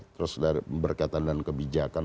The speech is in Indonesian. terus dari berkatan dan kebijakan